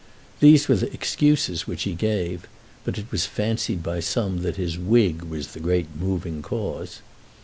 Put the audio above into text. These were the excuses which he gave, but it was fancied by some that his wig was the great moving cause.